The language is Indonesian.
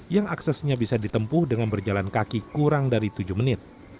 yang aksesnya bisa ditempuh dengan berjalan kaki kurang dari tujuh menit